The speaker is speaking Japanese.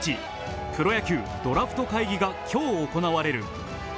プロ野球ドラフト会議が今日行われる。